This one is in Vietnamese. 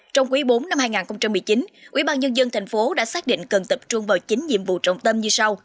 trong quý bốn năm hai nghìn một mươi chín ubnd tp đã xác định cần tập trung vào chín nhiệm vụ trọng tâm như sau